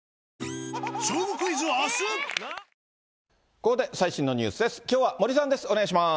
ここで最新のニュースです。